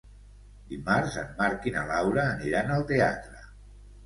Dimarts en Marc i na Laura aniran al teatre.